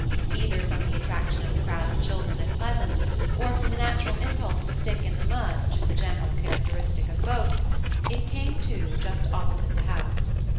Either from the attraction of the crowd of children at Pleasance, or from the natural impulse to stick in the mud which is the general characteristic of boats, it came to, just opposite the house.